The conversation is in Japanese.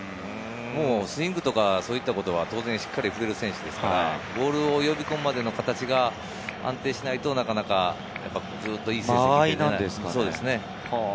スイングとかそういったことはしっかりできる選手ですから、ボールを呼び込むまでの形が安定しないといい成績はできないですね。